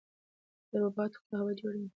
دا روباټونه قهوه جوړوي.